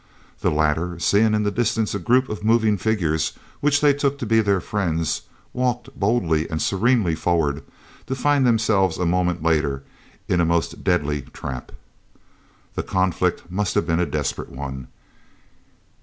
The latter, seeing in the distance a group of moving figures which they took to be their friends, walked boldly and serenely forward to find themselves a moment later in a most deadly trap! The conflict must have been a desperate one!